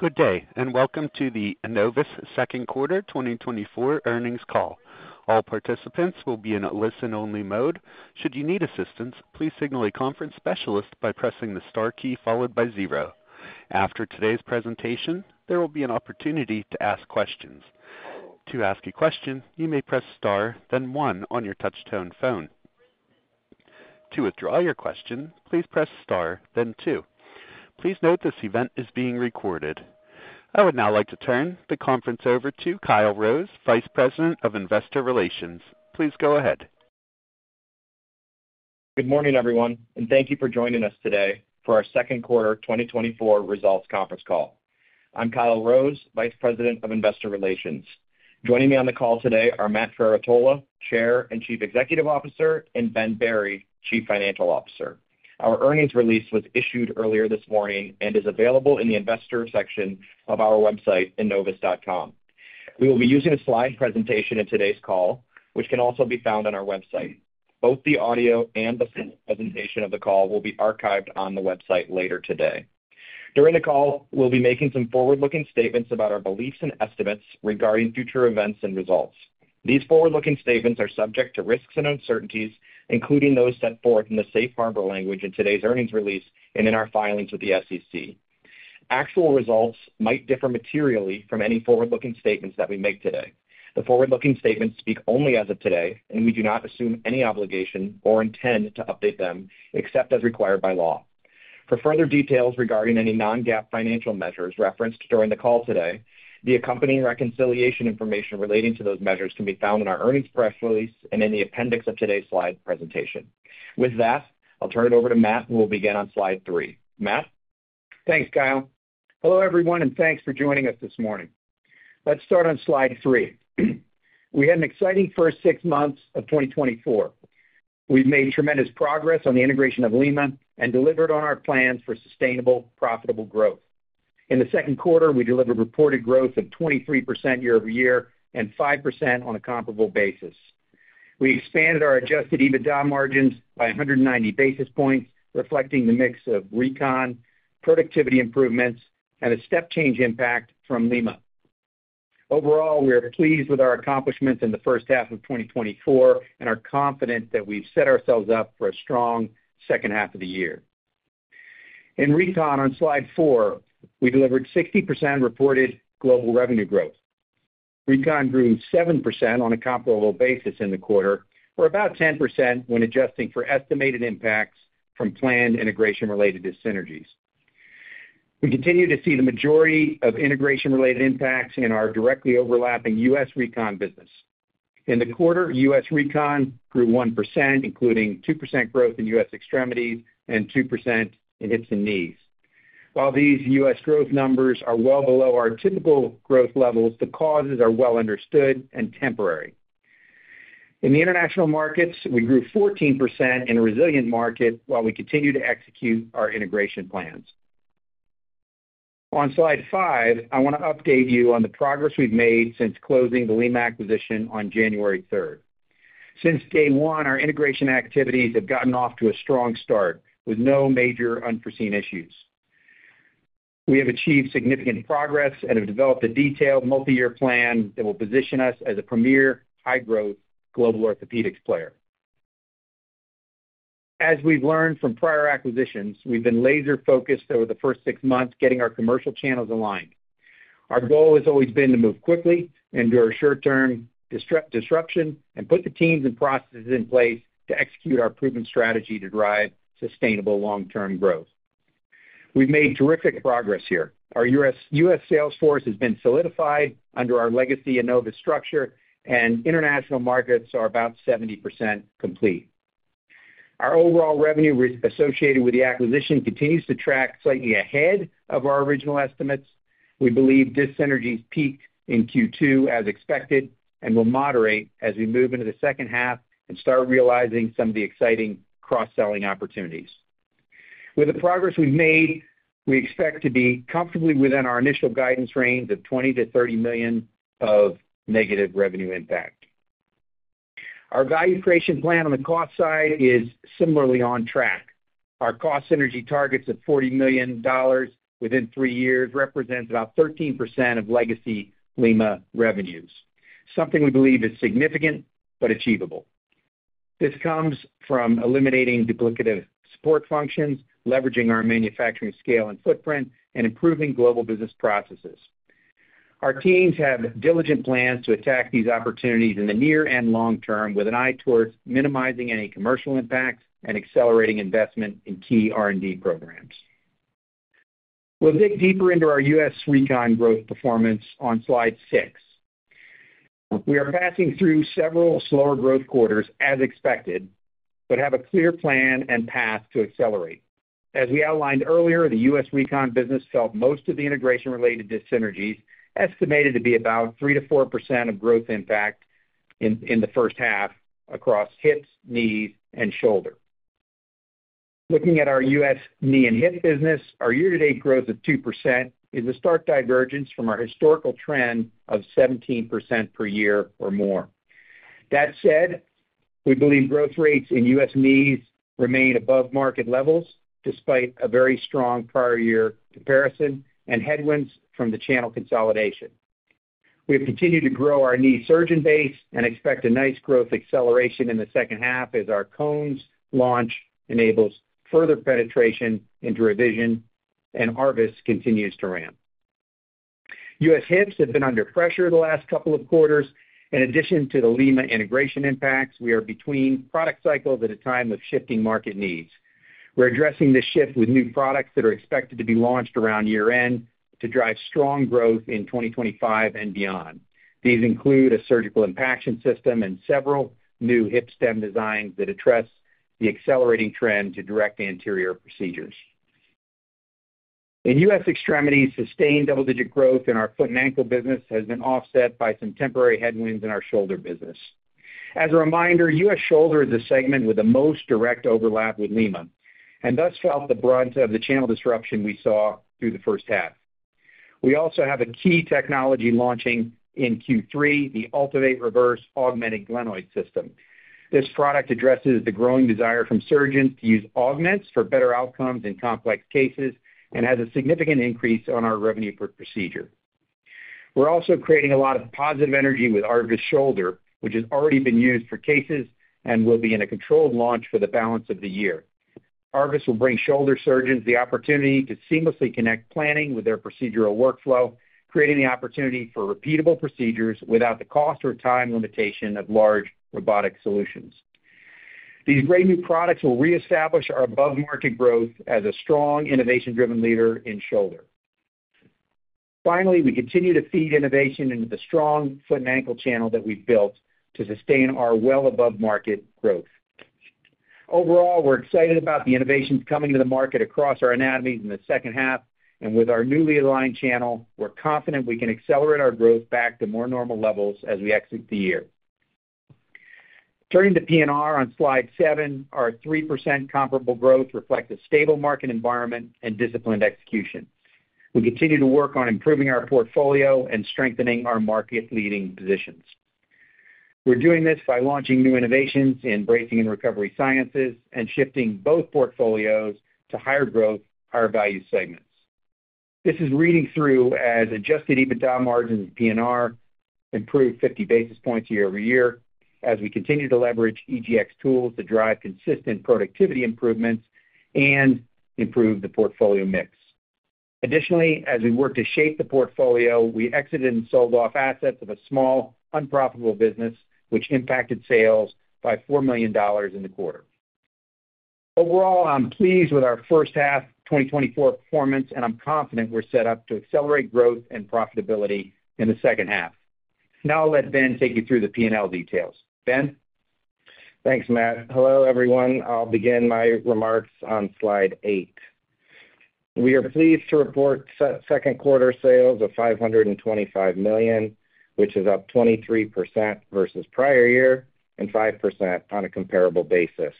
Good day, and welcome to the Enovis Second Quarter 2024 Earnings Call. All participants will be in a listen-only mode. Should you need assistance, please signal a conference specialist by pressing the star key followed by zero. After today's presentation, there will be an opportunity to ask questions. To ask a question, you may press star, then one on your touch-tone phone. To withdraw your question, please press star, then two. Please note this event is being recorded. I would now like to turn the conference over to Kyle Rose, Vice President of Investor Relations. Please go ahead. Good morning, everyone, and thank you for joining us today for our second quarter 2024 results conference call. I'm Kyle Rose, Vice President of Investor Relations. Joining me on the call today are Matt Trerotola, Chair and Chief Executive Officer, and Ben Berry, Chief Financial Officer. Our earnings release was issued earlier this morning and is available in the investor section of our website, enovis.com. We will be using a slide presentation in today's call, which can also be found on our website. Both the audio and the presentation of the call will be archived on the website later today. During the call, we'll be making some forward-looking statements about our beliefs and estimates regarding future events and results. These forward-looking statements are subject to risks and uncertainties, including those set forth in the safe harbor language in today's earnings release and in our filings with the SEC. Actual results might differ materially from any forward-looking statements that we make today. The forward-looking statements speak only as of today, and we do not assume any obligation or intend to update them, except as required by law. For further details regarding any non-GAAP financial measures referenced during the call today, the accompanying reconciliation information relating to those measures can be found in our earnings press release and in the appendix of today's slide presentation. With that, I'll turn it over to Matt, and we'll begin on slide three. Matt? Thanks, Kyle. Hello, everyone, and thanks for joining us this morning. Let's start on slide three. We had an exciting first six months of 2024. We've made tremendous progress on the integration of Lima and delivered on our plans for sustainable, profitable growth. In the second quarter, we delivered reported growth of 23% year-over-year and 5% on a comparable basis. We expanded adjusted EBITDA margins by 190 basis points, reflecting the mix of Recon, productivity improvements, and a step change impact from Lima. Overall, we are pleased with our accomplishments in the first half of 2024 and are confident that we've set ourselves up for a strong second half of the year. In Recon, on slide four, we delivered 60% reported global revenue growth. Recon grew 7% on a comparable basis in the quarter, or about 10% when adjusting for estimated impacts from planned integration related to synergies. We continue to see the majority of integration-related impacts in our directly overlapping U.S. Recon business. In the quarter, U.S. Recon grew 1%, including 2% growth in U.S. extremities and 2% in hips and knees. While these U.S. growth numbers are well below our typical growth levels, the causes are well understood and temporary. In the international markets, we grew 14% in a resilient market while we continued to execute our integration plans. On slide five, I want to update you on the progress we've made since closing the Lima acquisition on January 3rd. Since day one, our integration activities have gotten off to a strong start with no major unforeseen issues. We have achieved significant progress and have developed a detailed multi-year plan that will position us as a premier, high-growth global orthopedics player. As we've learned from prior acquisitions, we've been laser-focused over the first six months, getting our commercial channels aligned. Our goal has always been to move quickly, endure short-term disruption, and put the teams and processes in place to execute our proven strategy to drive sustainable long-term growth. We've made terrific progress here. Our U.S. sales force has been solidified under our legacy Enovis structure, and international markets are about 70% complete. Our overall revenue associated with the acquisition continues to track slightly ahead of our original estimates. We believe dissynergies peaked in Q2 as expected and will moderate as we move into the second half and start realizing some of the exciting cross-selling opportunities. With the progress we've made, we expect to be comfortably within our initial guidance range of $20 million-$30 million of negative revenue impact. Our value creation plan on the cost side is similarly on track. Our cost synergy targets of $40 million within 3 years represents about 13% of legacy Lima revenues, something we believe is significant but achievable. This comes from eliminating duplicative support functions, leveraging our manufacturing scale and footprint, and improving global business processes. Our teams have diligent plans to attack these opportunities in the near and long term, with an eye towards minimizing any commercial impact and accelerating investment in key R&D programs. We'll dig deeper into our US Recon growth performance on slide 6. We are passing through several slower growth quarters, as expected, but have a clear plan and path to accelerate. As we outlined earlier, the U.S. Recon business felt most of the integration-related dissynergies, estimated to be about 3%-4% of growth impact in the first half across hips, knees, and shoulder. Looking at our U.S. knee and hip business, our year-to-date growth of 2% is a stark divergence from our historical trend of 17% per year or more. That said, we believe growth rates in U.S. knees remain above market levels, despite a very strong prior year comparison and headwinds from the channel consolidation. We have continued to grow our knee surgeon base and expect a nice growth acceleration in the second half as our cones launch enables further penetration into revision, and ARVIS continues to ramp. U.S. hips have been under pressure the last couple of quarters. In addition to the Lima integration impacts, we are between product cycles at a time of shifting market needs. We're addressing this shift with new products that are expected to be launched around year-end to drive strong growth in 2025 and beyond. These include a surgical impaction system and several new hip stem designs that address the accelerating trend to Direct Anterior procedures. In U.S. extremities, sustained double-digit growth in our foot and ankle business has been offset by some temporary headwinds in our shoulder business. As a reminder, U.S. shoulder is the segment with the most direct overlap with Lima, and thus felt the brunt of the channel disruption we saw through the first half. We also have a key technology launching in Q3, the AltiVate Reverse Augmented Glenoid system. This product addresses the growing desire from surgeons to use augments for better outcomes in complex cases and has a significant increase on our revenue per procedure. We're also creating a lot of positive energy with ARVIS shoulder, which has already been used for cases and will be in a controlled launch for the balance of the year. ARVIS will bring shoulder surgeons the opportunity to seamlessly connect planning with their procedural workflow, creating the opportunity for repeatable procedures without the cost or time limitation of large robotic solutions. These great new products will reestablish our above-market growth as a strong, innovation-driven leader in shoulder. Finally, we continue to feed innovation into the strong foot and ankle channel that we've built to sustain our well above-market growth. Overall, we're excited about the innovations coming to the market across our anatomies in the second half. And with our newly aligned channel, we're confident we can accelerate our growth back to more normal levels as we exit the year. Turning to P&R on Slide seven, our 3% comparable growth reflect a stable market environment and disciplined execution. We continue to work on improving our portfolio and strengthening our market-leading positions. We're doing this by launching new innovations in bracing and recovery sciences and shifting both portfolios to higher growth, higher value segments. This is reading through adjusted EBITDA margins. P&R improved 50 basis points year-over-year, as we continue to leverage EGX tools to drive consistent productivity improvements and improve the portfolio mix. Additionally, as we work to shape the portfolio, we exited and sold off assets of a small, unprofitable business, which impacted sales by $4 million in the quarter. Overall, I'm pleased with our first half 2024 performance, and I'm confident we're set up to accelerate growth and profitability in the second half. Now I'll let Ben take you through the P&L details. Ben? Thanks, Matt. Hello, everyone. I'll begin my remarks on slide eight. We are pleased to report second quarter sales of $525 million, which is up 23% versus prior year and 5% on a comparable basis.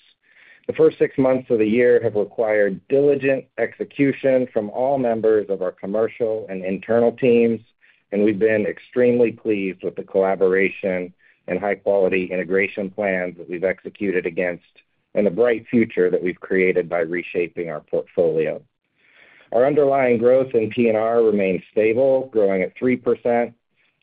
The first six months of the year have required diligent execution from all members of our commercial and internal teams, and we've been extremely pleased with the collaboration and high-quality integration plans that we've executed against, and the bright future that we've created by reshaping our portfolio. Our underlying growth in P&R remains stable, growing at 3%,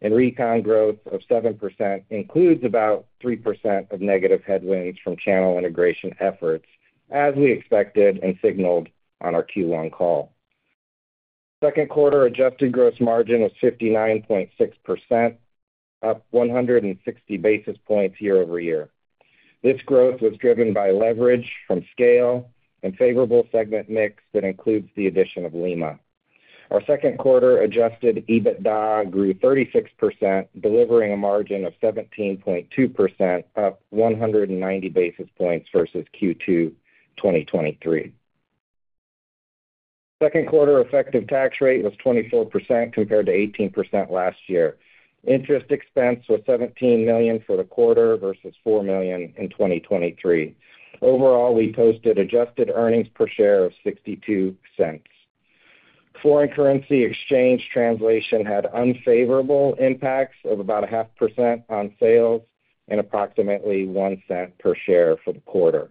and Recon growth of 7% includes about 3% of negative headwinds from channel integration efforts, as we expected and signaled on our Q1 call. Second quarter adjusted gross margin was 59.6%, up 160 basis points year-over-year. This growth was driven by leverage from scale and favorable segment mix that includes the addition of Lima. Our second adjusted EBITDA grew 36%, delivering a margin of 17.2%, up 190 basis points versus Q2 2023. Second quarter effective tax rate was 24%, compared to 18% last year. Interest expense was $17 million for the quarter versus $4 million in 2023. Overall, we posted Adjusted Earnings Per Share of $0.62. Foreign currency exchange translation had unfavorable impacts of about 0.5% on sales and approximately $0.01 per share for the quarter.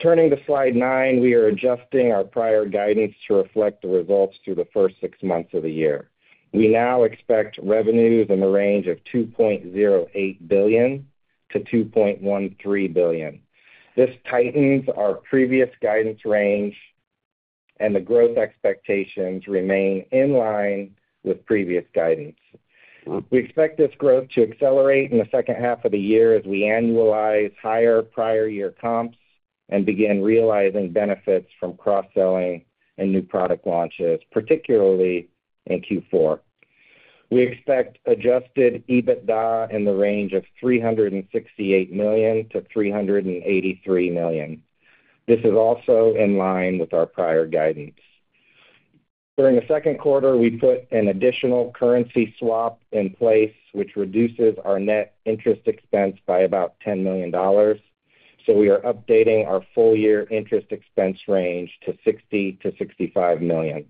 Turning to slide nine, we are adjusting our prior guidance to reflect the results through the first six months of the year. We now expect revenues in the range of $2.08 billion-$2.13 billion. This tightens our previous guidance range, and the growth expectations remain in line with previous guidance. We expect this growth to accelerate in the second half of the year as we annualize higher prior year comps and begin realizing benefits from cross-selling and new product launches, particularly in Q4. We expect adjusted EBITDA in the range of $368 million-$383 million. This is also in line with our prior guidance. During the second quarter, we put an additional currency swap in place, which reduces our net interest expense by about $10 million. So we are updating our full-year interest expense range to $60 million-$65 million.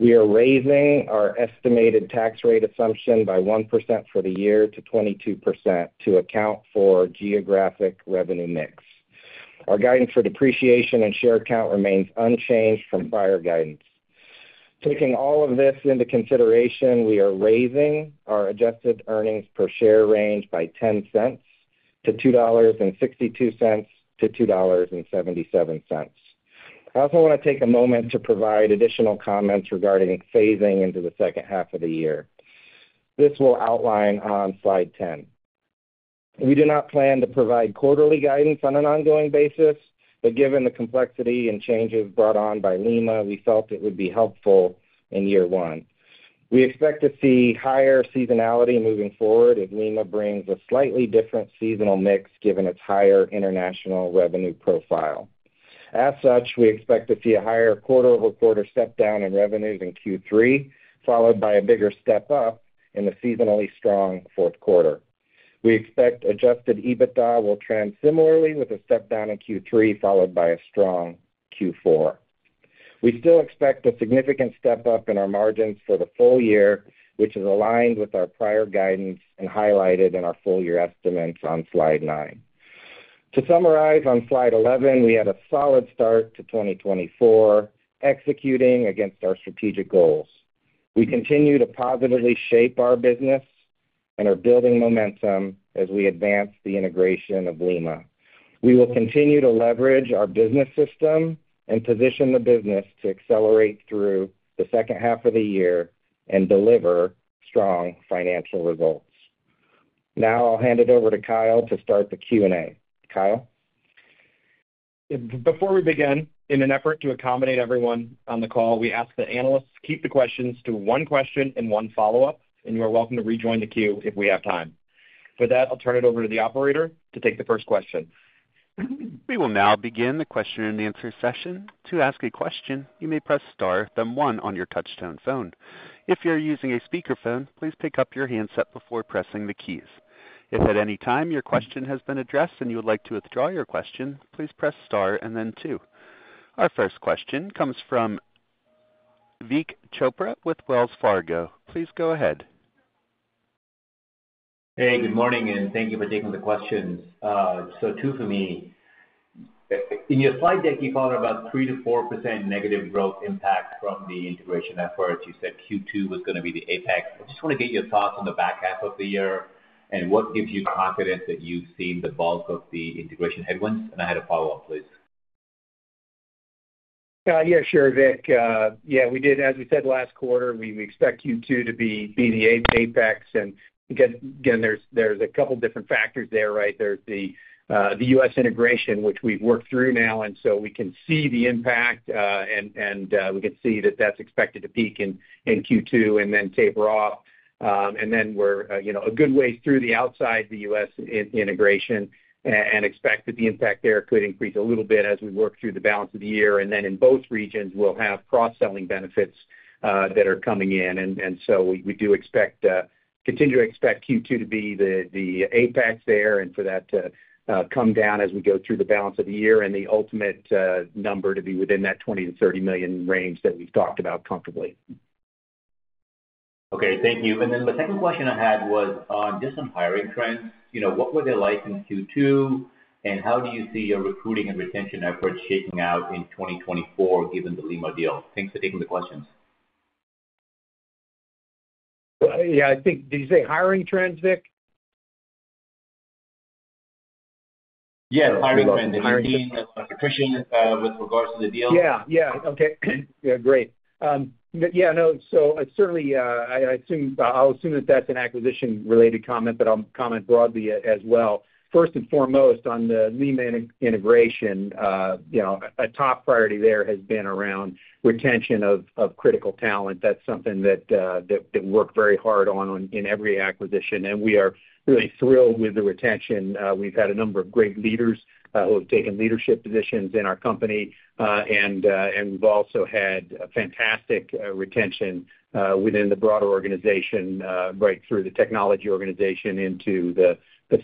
We are raising our estimated tax rate assumption by 1% for the year to 22% to account for geographic revenue mix. Our guidance for depreciation and share count remains unchanged from prior guidance. Taking all of this into consideration, we are raising our adjusted earnings per share range by $0.10 to $2.62-$2.77. I also want to take a moment to provide additional comments regarding phasing into the second half of the year. This we'll outline on slide 10. We do not plan to provide quarterly guidance on an ongoing basis, but given the complexity and changes brought on by Lima, we felt it would be helpful in year one. We expect to see higher seasonality moving forward as Lima brings a slightly different seasonal mix, given its higher international revenue profile. As such, we expect to see a higher quarter-over-quarter step down in revenues in Q3, followed by a bigger step up in the seasonally strong fourth quarter. We adjusted EBITDA will trend similarly with a step down in Q3, followed by a strong Q4. We still expect a significant step up in our margins for the full year, which is aligned with our prior guidance and highlighted in our full year estimates on slide nine. To summarize, on slide 11, we had a solid start to 2024, executing against our strategic goals. We continue to positively shape our business and are building momentum as we advance the integration of Lima. We will continue to leverage our business system and position the business to accelerate through the second half of the year and deliver strong financial results. Now I'll hand it over to Kyle to start the Q&A. Kyle? Before we begin, in an effort to accommodate everyone on the call, we ask that analysts keep the questions to one question and one follow-up, and you are welcome to rejoin the queue if we have time. For that, I'll turn it over to the operator to take the first question. We will now begin the Q&A session. To ask a question, you may press star, then one on your touch-tone phone. If you're using a speakerphone, please pick up your handset before pressing the keys. If at any time your question has been addressed and you would like to withdraw your question, please press star and then two. Our first question comes from Vik Chopra with Wells Fargo. Please go ahead. Hey, good morning, and thank you for taking the questions. So two for me. In your slide deck, you called about 3%-4% negative growth impact from the integration efforts. You said Q2 was gonna be the apex. I just want to get your thoughts on the back half of the year and what gives you confidence that you've seen the bulk of the integration headwinds? And I had a follow-up, please. Yeah, sure, Vik. Yeah, we did, as we said last quarter, we expect Q2 to be the apex. And again, there's a couple different factors there, right? There's the U.S. integration, which we've worked through now, and so we can see the impact, and we can see that that's expected to peak in Q2 and then taper off. And then we're, you know, a good way through the outside the U.S. integration, and expect that the impact there could increase a little bit as we work through the balance of the year. And then in both regions, we'll have cross-selling benefits that are coming in. So we do expect to continue to expect Q2 to be the apex there and for that to come down as we go through the balance of the year and the ultimate number to be within that $20 million-$30 million range that we've talked about comfortably. Okay. Thank you. And then the second question I had was on just some hiring trends. You know, what were they like in Q2, and how do you see your recruiting and retention efforts shaking out in 2024, given the Lima deal? Thanks for taking the questions. Yeah, I think... Did you say hiring trends, Vik? Yes, hiring trends. I mean, attrition, with regards to the deal. Yeah. Yeah. Okay. Yeah, great. Yeah, no, so certainly, I assume I'll assume that that's an acquisition-related comment, but I'll comment broadly as well. First and foremost, on the Lima integration, you know, a top priority there has been around retention of critical talent. That's something that worked very hard on in every acquisition, and we are really thrilled with the retention. We've had a number of great leaders who have taken leadership positions in our company, and we've also had a fantastic retention within the broader organization, right through the technology organization into the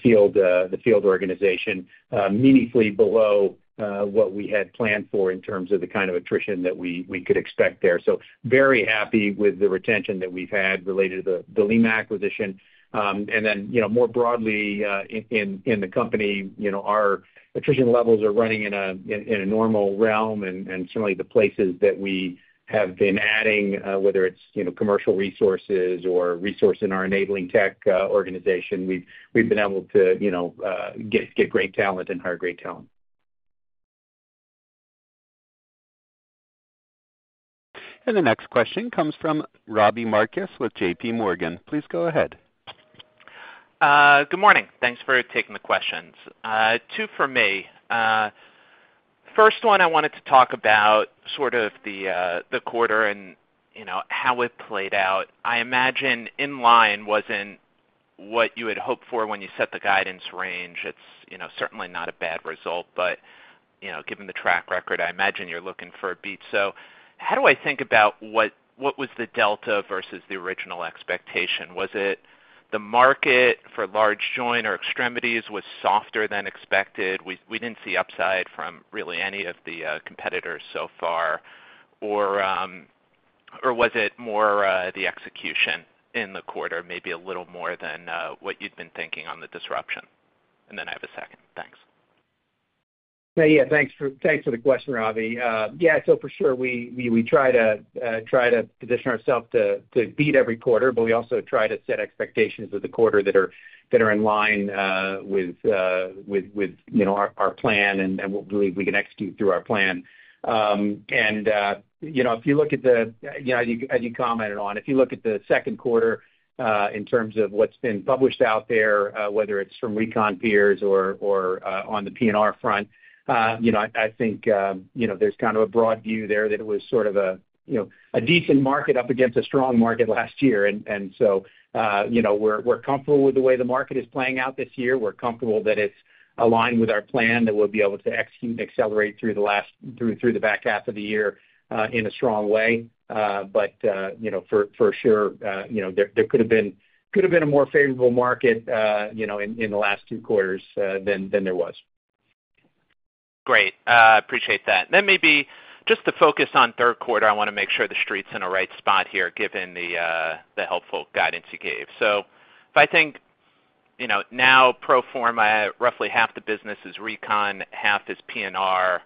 field organization, meaningfully below what we had planned for in terms of the kind of attrition that we could expect there. So very happy with the retention that we've had related to the Lima acquisition. And then, you know, more broadly, in the company, you know, our attrition levels are running in a normal realm, and certainly the places that we have been adding, whether it's, you know, commercial resources or resource in our enabling tech organization, we've been able to, you know, get great talent and hire great talent. The next question comes from Robbie Marcus with JPMorgan. Please go ahead. Good morning. Thanks for taking the questions. Two for me. First one, I wanted to talk about sort of the quarter and, you know, how it played out. I imagine in line wasn't what you had hoped for when you set the guidance range. It's, you know, certainly not a bad result, but, you know, given the track record, I imagine you're looking for a beat. So how do I think about what was the delta versus the original expectation? Was it the market for large joint or extremities was softer than expected. We didn't see upside from really any of the competitors so far. Or was it more the execution in the quarter, maybe a little more than what you'd been thinking on the disruption? And then I have a second. Thanks. Yeah, yeah, thanks for the question, Robbie. Yeah, so for sure, we try to position ourselves to beat every quarter, but we also try to set expectations of the quarter that are in line with you know, our plan, and we believe we can execute through our plan. And you know, if you look at, as you commented on, if you look at the second quarter, in terms of what's been published out there, whether it's from Recon peers or on the P&R front, you know, I think, you know, there's kind of a broad view there that it was sort of a you know, a decent market up against a strong market last year. So, you know, we're comfortable with the way the market is playing out this year. We're comfortable that it's aligned with our plan, that we'll be able to execute and accelerate through the back half of the year in a strong way. But, you know, for sure, you know, there could have been a more favorable market, you know, in the last two quarters, than there was. Great. Appreciate that. Then maybe just to focus on third quarter, I want to make sure the street's in the right spot here, given the helpful guidance you gave. So if I think, you know, now pro forma, roughly half the business is Recon, half is P&R.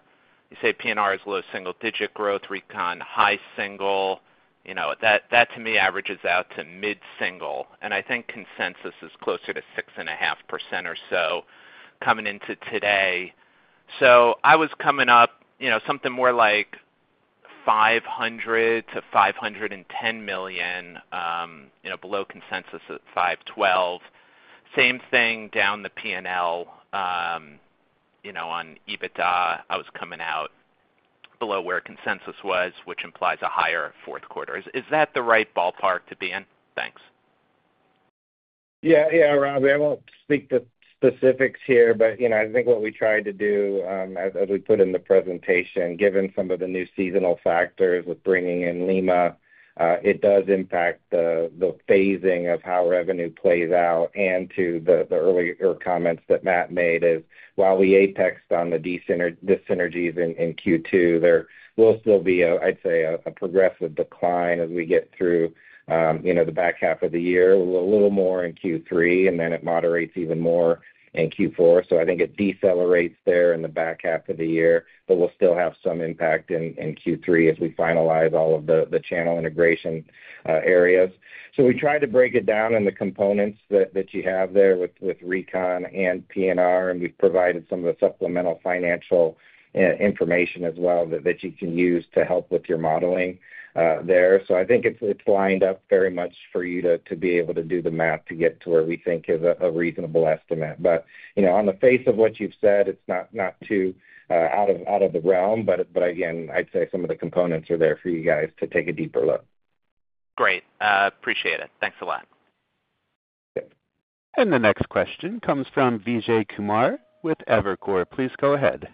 You say P&R is low single-digit growth, Recon, high single-digit. You know, that, that to me averages out to mid-single-digit, and I think consensus is closer to 6.5% or so coming into today. So I was coming up, you know, something more like $500 million-$510 million, below consensus at $512 million. Same thing down the P&L, you know, on EBITDA, I was coming out below where consensus was, which implies a higher fourth quarter. Is that the right ballpark to be in? Thanks. Yeah, yeah, Robbie, I won't speak to specifics here, but, you know, I think what we tried to do, as we put in the presentation, given some of the new seasonal factors with bringing in Lima, it does impact the phasing of how revenue plays out. And to the earlier comments that Matt made is, while we apexed on the dissynergies in Q2, there will still be a, I'd say, a progressive decline as we get through, you know, the back half of the year, a little more in Q3, and then it moderates even more in Q4. So I think it decelerates there in the back half of the year, but we'll still have some impact in Q3 as we finalize all of the channel integration areas. So we tried to break it down in the components that you have there with Recon and P&R, and we've provided some of the supplemental financial information as well, that you can use to help with your modeling there. So I think it's lined up very much for you to be able to do the math to get to where we think is a reasonable estimate. But, you know, on the face of what you've said, it's not too out of the realm. But again, I'd say some of the components are there for you guys to take a deeper look. Great. Appreciate it. Thanks a lot. Okay. The next question comes from Vijay Kumar with Evercore. Please go ahead.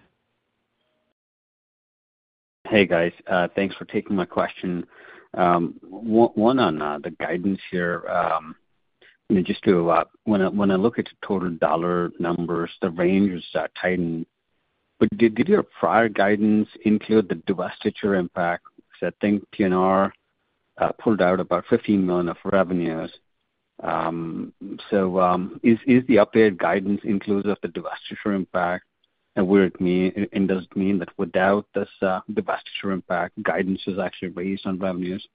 Hey, guys, thanks for taking my question. One on the guidance here. I mean, just to, when I look at the total dollar numbers, the ranges are tightened. But did your prior guidance include the divestiture impact? Because I think P&R pulled out about $15 million of revenues. So, is the updated guidance inclusive of the divestiture impact? And what it mean, and does it mean that without this divestiture impact, guidance is actually based on revenues?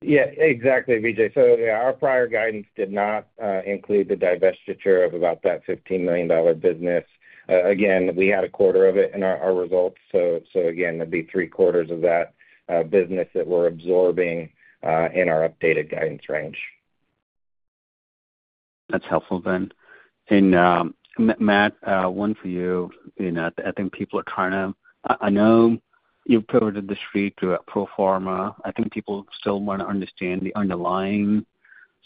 Yeah, exactly, Vijay. So yeah, our prior guidance did not include the divestiture of about that $15 million business. Again, we had a quarter of it in our, our results, so, so again, it'd be three quarters of that business that we're absorbing in our updated guidance range. That's helpful then. Matt, one for you. You know, I think people are trying to—I know you've provided the Street through a pro forma. I think people still want to understand the underlying,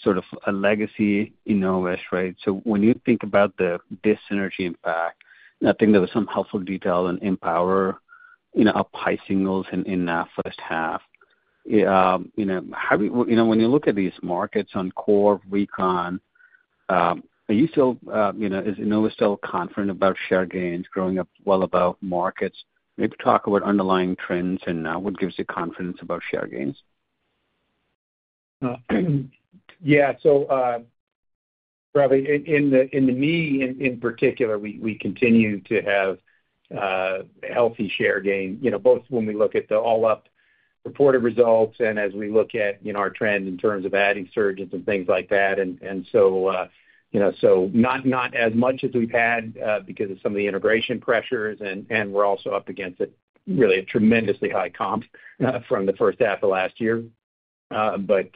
sort of, a legacy in Enovis, right? So when you think about the dissynergy impact, and I think there was some helpful detail in EMPOWR, you know, upside signals in first half. How do you... You know, when you look at these markets on core Recon, are you still, you know, is Enovis still confident about share gains growing well above markets? Maybe talk about underlying trends and what gives you confidence about share gains. Yeah, so, Robbie, in the knee, in particular, we continue to have healthy share gain, you know, both when we look at the all-up reported results and as we look at, you know, our trend in terms of adding surgeons and things like that. And so, you know, so not as much as we've had, because of some of the integration pressures, and we're also up against a really tremendously high comp from the first half of last year. But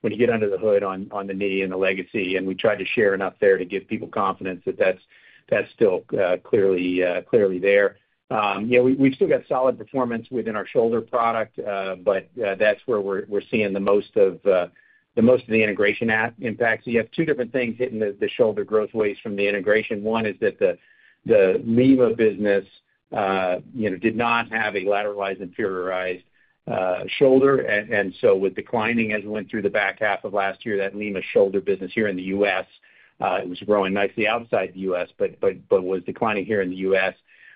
when you get under the hood on the knee and the legacy, and we tried to share enough there to give people confidence that that's still clearly there. Yeah, we've still got solid performance within our shoulder product, but that's where we're seeing the most of the integration impact. So you have two different things hitting the shoulder growth ways from the integration. One is that the Lima business, you know, did not have a lateralized inferiorized shoulder. And so with declining as we went through the back half of last year, that Lima shoulder business here in the U.S., it was growing nicely outside the U.S., but was declining here in the U.S..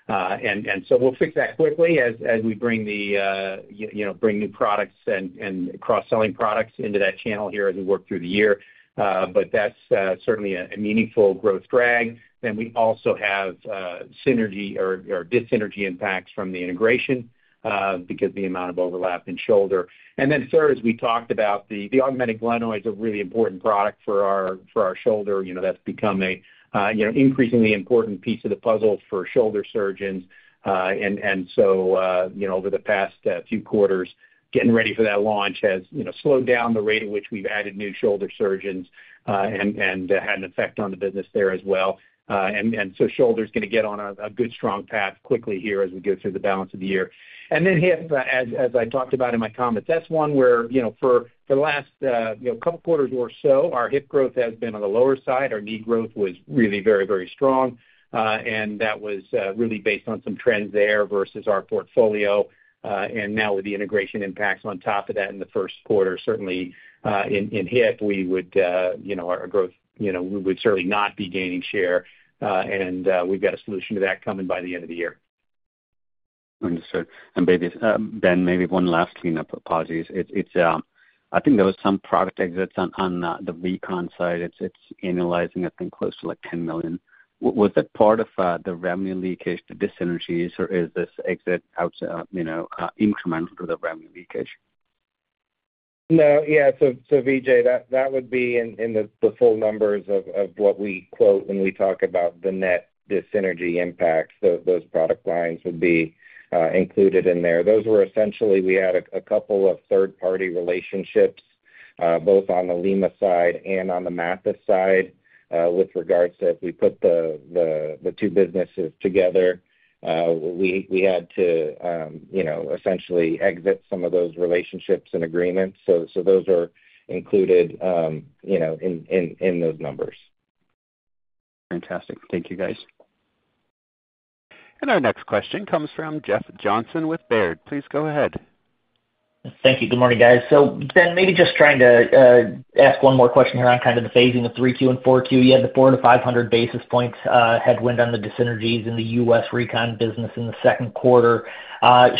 And so we'll fix that quickly as we bring new products and cross-selling products into that channel here as we work through the year. But that's certainly a meaningful growth drag. Then we also have synergy or dyssynergy impacts from the integration, because the amount of overlap in shoulder. And then third, as we talked about, the augmented glenoid is a really important product for our shoulder. You know, that's become a you know increasingly important piece of the puzzle for shoulder surgeons. And you know, over the past few quarters, getting ready for that launch has you know slowed down the rate at which we've added new shoulder surgeons and had an effect on the business there as well. And so shoulder's gonna get on a good strong path quickly here as we go through the balance of the year. Then hip, as I talked about in my comments, that's one where, you know, for the last couple quarters or so, our hip growth has been on the lower side. Our knee growth was really very, very strong. That was really based on some trends there versus our portfolio. Now with the integration impacts on top of that in the first quarter, certainly, in hip, we would, you know, our growth, you know, we would certainly not be gaining share, and we've got a solution to that coming by the end of the year. Understood. And maybe, Ben, maybe one last cleanup apologies. It's, I think there was some product exits on the Recon side. It's analyzing, I think, close to, like, $10 million. Was that part of the revenue leakage, the dissynergies, or is this exit out, you know, incremental to the revenue leakage? No. Yeah, so Vijay, that would be in the full numbers of what we quote when we talk about the net dissynergies impact. So those product lines would be included in there. Those were essentially we added a couple of third-party relationships both on the Lima side and on the Mathys side with regards to as we put the two businesses together, we had to, you know, essentially exit some of those relationships and agreements. So those are included, you know, in those numbers. Fantastic. Thank you, guys. Our next question comes from Jeff Johnson with Baird. Please go ahead. Thank you. Good morning, guys. So Ben, maybe just trying to ask one more question here on kind of the phasing of 3Q and 4Q. You had the 400-500 basis points headwind on the dissynergies in the U.S. Recon business in the second quarter.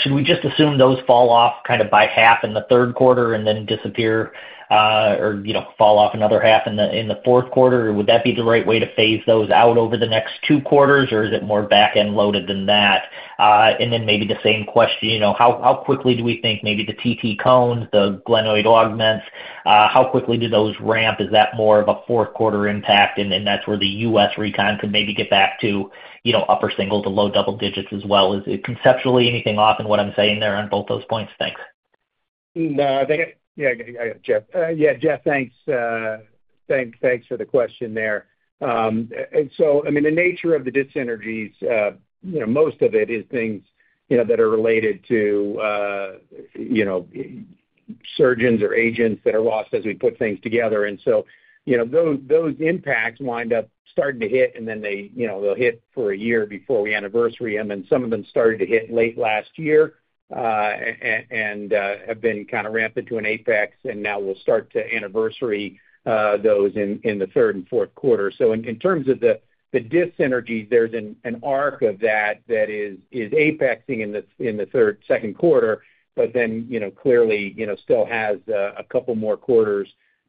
Should we just assume those fall off kind of by half in the third quarter and then disappear, or, you know, fall off another half in the fourth quarter? Or would that be the right way to phase those out over the next two quarters, or is it more back-end loaded than that? And then maybe the same question, you know: how quickly do we think maybe the TT Cones, the glenoid augments, how quickly do those ramp? Is that more of a fourth quarter impact, and then that's where the U.S. Recon could maybe get back to, you know, upper single to low double digits as well? Is it conceptually anything off in what I'm saying there on both those points? Thanks. No, I think. Yeah, Jeff. Yeah, Jeff, thanks. Thanks for the question there. And so, I mean, the nature of the dissynergies, you know, most of it is things, you know, that are related to, you know, surgeons or agents that are lost as we put things together. And so, you know, those impacts wind up starting to hit, and then they, you know, they'll hit for a year before we anniversary them, and some of them started to hit late last year, and have been kind of ramping to an apex, and now we'll start to anniversary those in the third and fourth quarter. So in terms of the dyssynergy, there's an arc of that that is apexing in the second quarter, but then, you know, clearly, you know, still has a couple more quarters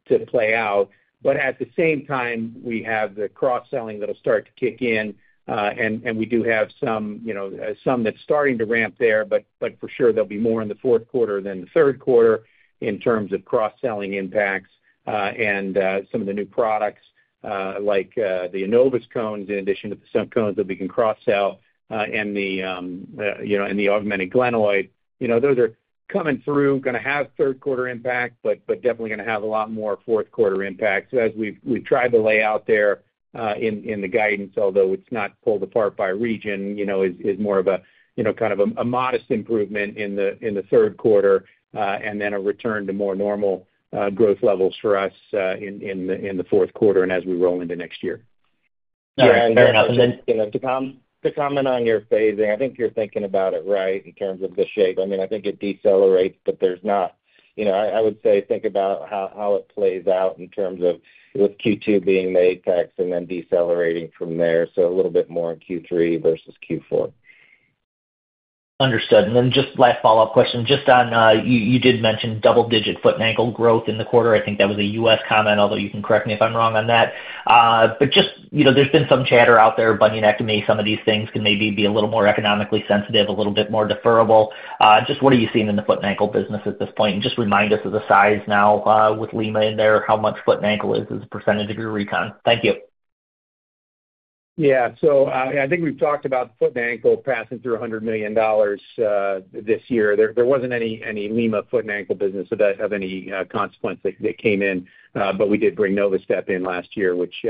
to play out. But at the same time, we have the cross-selling that'll start to kick in, and we do have some, you know, some that's starting to ramp there, but for sure, there'll be more in the fourth quarter than the third quarter in terms of cross-selling impacts. And some of the new products, like the Enovis cones, in addition to the TT Cones that we can cross-sell, and the augmented glenoid, you know, those are coming through, gonna have third quarter impact, but definitely gonna have a lot more fourth quarter impact. So as we've tried to lay out there, in the guidance, although it's not pulled apart by region, you know, is more of a, you know, kind of a modest improvement in the third quarter, and then a return to more normal growth levels for us, in the fourth quarter and as we roll into next year. All right. Fair enough. And then, you know, to comment on your phasing, I think you're thinking about it right in terms of the shape. I mean, I think it decelerates, but there's not, you know, I would say think about how it plays out in terms of, with Q2 being the apex and then decelerating from there. So a little bit more in Q3 versus Q4. Understood. And then just last follow-up question, just on, you did mention double-digit foot and ankle growth in the quarter. I think that was a U.S. comment, although you can correct me if I'm wrong on that. But just, you know, there's been some chatter out there, bunionectomy, some of these things can maybe be a little more economically sensitive, a little bit more deferrable. Just what are you seeing in the foot and ankle business at this point? And just remind us of the size now, uh, with Lima in there, how much foot and ankle is as a percentage of your Recon? Thank you. Yeah. So, I think we've talked about foot and ankle passing through $100 million this year. There wasn't any Lima foot and ankle business of any consequence that came in. But we did bring Novastep in last year, which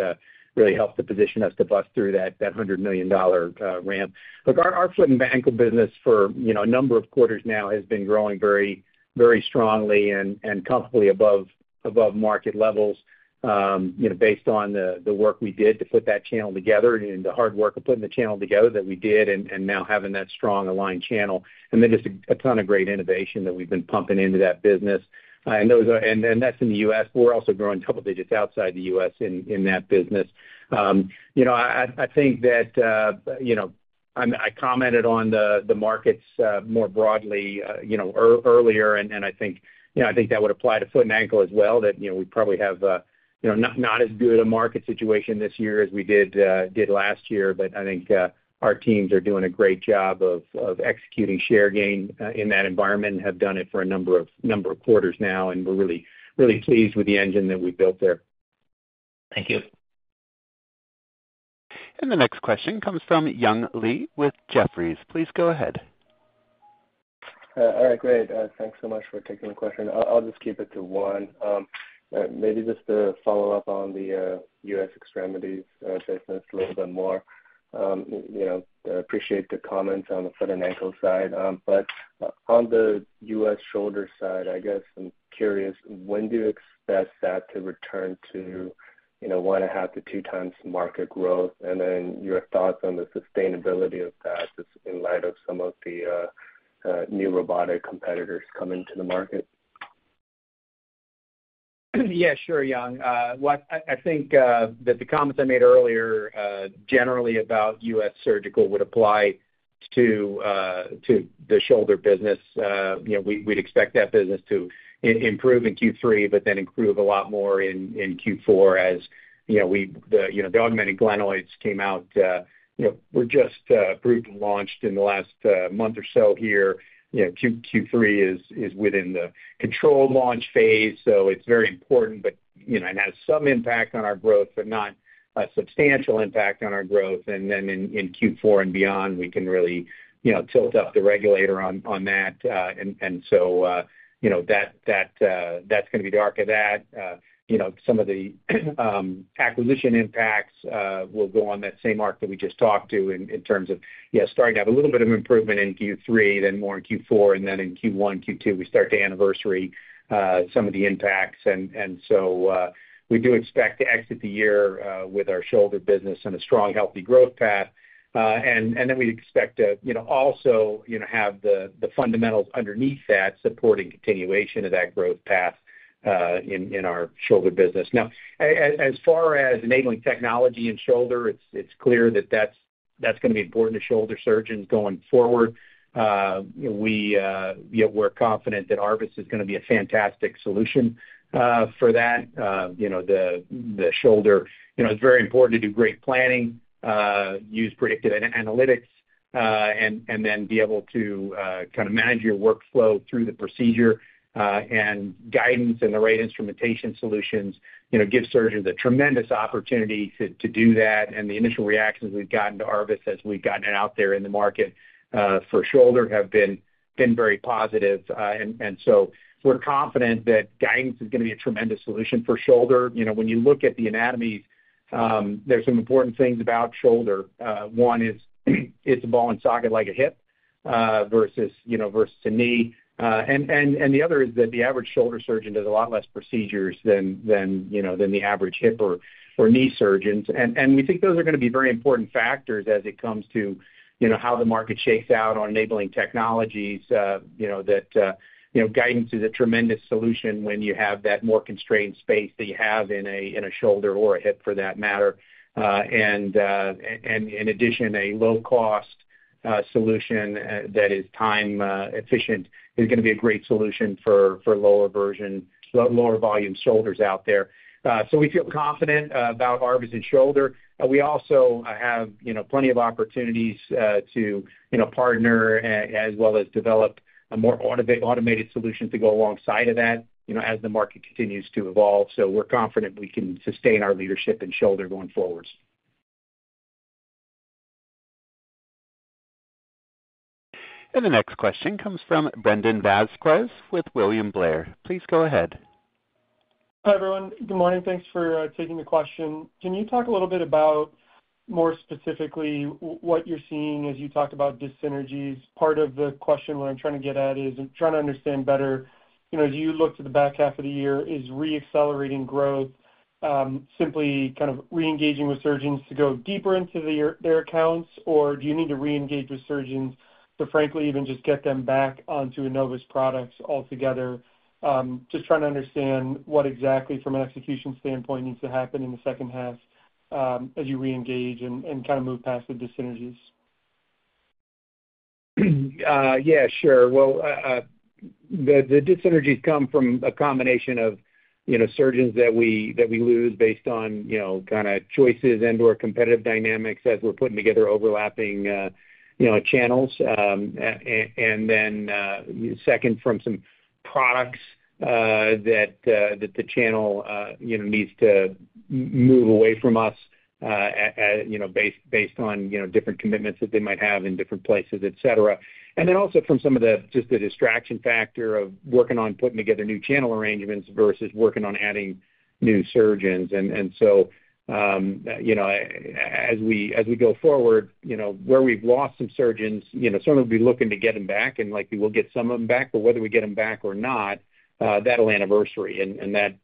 really helped to position us to bust through that $100 million-dollar ramp. Look, our foot and ankle business for, you know, a number of quarters now has been growing very, very strongly and comfortably above market levels, you know, based on the work we did to put that channel together and the hard work of putting the channel together that we did and now having that strong aligned channel, and then just a ton of great innovation that we've been pumping into that business. And those are. And then, that's in the U.S., but we're also growing double digits outside the U.S. in that business. You know, I think that, you know, I commented on the markets more broadly, you know, earlier, and I think, you know, I think that would apply to foot and ankle as well, that, you know, we probably have, you know, not as good a market situation this year as we did last year. But I think, our teams are doing a great job of executing share gain in that environment and have done it for a number of quarters now, and we're really pleased with the engine that we've built there. Thank you. The next question comes from Young Li with Jefferies. Please go ahead. All right, great. Thanks so much for taking the question. I'll, I'll just keep it to one. Maybe just to follow up on the U.S. extremities business a little bit more. You know, appreciate the comments on the foot and ankle side. But on the U.S. shoulder side, I guess I'm curious, when do you expect that to return to, you know, 1.5x-2x market growth? And then your thoughts on the sustainability of that, just in light of some of the new robotic competitors coming to the market. Yeah, sure, Young. I think that the comments I made earlier generally about U.S. surgical would apply to the shoulder business. You know, we'd expect that business to improve in Q3, but then improve a lot more in Q4. As you know, the augmented glenoids came out, were just approved and launched in the last month or so here. You know, Q3 is within the controlled launch phase, so it's very important. But you know, it has some impact on our growth, but not a substantial impact on our growth. And then in Q4 and beyond, we can really tilt up the regulator on that. And so you know, that's going to be the arc of that. You know, some of the acquisition impacts will go on that same arc that we just talked to in terms of, yeah, starting to have a little bit of improvement in Q3, then more in Q4, and then in Q1, Q2, we start to anniversary some of the impacts. And so, we do expect to exit the year with our shoulder business on a strong, healthy growth path. And then we expect to, you know, also, you know, have the fundamentals underneath that supporting continuation of that growth path in our shoulder business. Now, as far as enabling technology in shoulder, it's clear that that's going to be important to shoulder surgeons going forward. You know, we're confident that ARVIS is going to be a fantastic solution for that. You know, the shoulder. You know, it's very important to do great planning, use predictive analytics, and then be able to kind of manage your workflow through the procedure, and guidance and the right instrumentation solutions, you know, give surgeons a tremendous opportunity to do that. And the initial reactions we've gotten to ARVIS as we've gotten it out there in the market for shoulder have been very positive. And so we're confident that guidance is going to be a tremendous solution for shoulder. You know, when you look at the anatomy, there's some important things about shoulder. One is, it's a ball and socket like a hip, versus a knee. And the other is that the average shoulder surgeon does a lot less procedures than, you know, than the average hip or knee surgeons. We think those are going to be very important factors as it comes to, you know, how the market shakes out on enabling technologies. You know, that guidance is a tremendous solution when you have that more constrained space that you have in a shoulder or a hip for that matter. In addition, a low-cost solution that is time efficient is going to be a great solution for lower volume shoulders out there. So we feel confident about ARVIS and shoulder. We also have, you know, plenty of opportunities, to, you know, partner as well as develop a more automated solution to go alongside of that, you know, as the market continues to evolve. So we're confident we can sustain our leadership in shoulder going forward. The next question comes from Brandon Vazquez with William Blair. Please go ahead. Hi, everyone. Good morning. Thanks for taking the question. Can you talk a little bit about, more specifically, what you're seeing as you talk about dissynergies? Part of the question, what I'm trying to get at is, I'm trying to understand better, you know, as you look to the back half of the year, is reaccelerating growth simply kind of reengaging with surgeons to go deeper into their accounts, or do you need to reengage with surgeons to, frankly, even just get them back onto Innovus products altogether? Just trying to understand what exactly, from an execution standpoint, needs to happen in the second half, as you reengage and kind of move past the dissynergies. Yeah, sure. Well, the dissynergies come from a combination of, you know, surgeons that we lose based on, you know, kind of choices and/or competitive dynamics as we're putting together overlapping, you know, channels. And then, second, from some products that the channel, you know, needs to move away from us, you know, based on, you know, different commitments that they might have in different places, et cetera. And then also from some of the, just the distraction factor of working on putting together new channel arrangements versus working on adding new surgeons. And so, you know, as we go forward, you know, where we've lost some surgeons, you know, certainly we'll be looking to get them back, and likely we'll get some of them back. But whether we get them back or not, that'll anniversary, and that,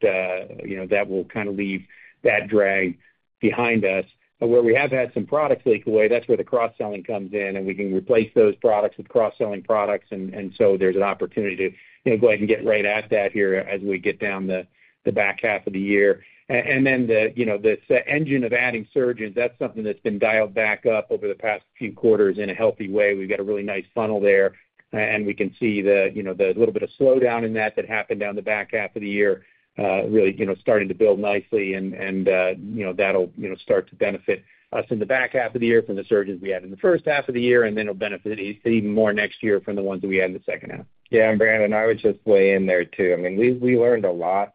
you know, that will kind of leave that drag behind us. But where we have had some products leak away, that's where the cross-selling comes in, and we can replace those products with cross-selling products. And so there's an opportunity to, you know, go ahead and get right at that here as we get down to the back half of the year. And then the, you know, the engine of adding surgeons, that's something that's been dialed back up over the past few quarters in a healthy way. We've got a really nice funnel there, and we can see the, you know, the little bit of slowdown in that that happened down the back half of the year, really, you know, starting to build nicely, and you know, that'll, you know, start to benefit us in the back half of the year from the surgeons we had in the first half of the year, and then it'll benefit even more next year from the ones that we had in the second half. Yeah, and Brandon, I would just weigh in there, too. I mean, we learned a lot